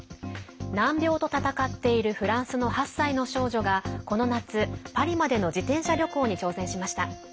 難病と闘っているフランスの８歳の少女がこの夏、パリまでの自転車旅行に挑戦しました。